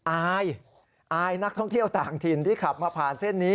อายอายนักท่องเที่ยวต่างถิ่นที่ขับมาผ่านเส้นนี้